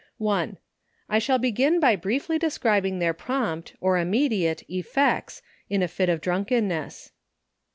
1. I shall begin by briefly describing their prompt, or immediate effects, in a fit of drunkenness.